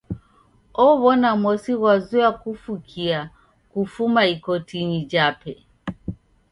Ow'ona mosi ghwazoya kufukia kufuma ikotinyi jape.